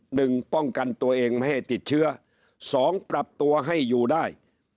หนึ่งป้องกันตัวเองไม่ให้ติดเชื้อสองปรับตัวให้อยู่ได้